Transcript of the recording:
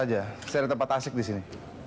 tidak ada tempat asik di sini